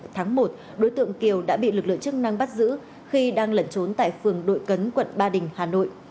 tháng một đối tượng kiều đã bị lực lượng chức năng bắt giữ khi đang lẩn trốn tại phường đội cấn quận ba đình hà nội